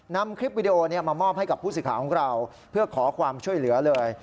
นำคลิปวิดีโอนี้มามอบให้กับผู้สื่อข่าวของเราเพื่อขอความช่วยเหลือเลย